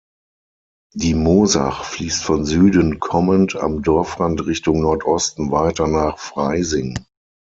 Die Moosach fließt von Süden kommend am Dorfrand Richtung Nordosten weiter nach Freising.